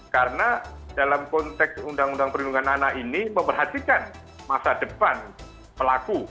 karena dalam konteks undang undang perlindungan anak ini memperhatikan masa depan pelaku